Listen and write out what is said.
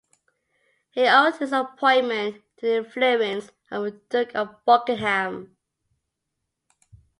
He owed his appointment to the influence of the Duke of Buckingham.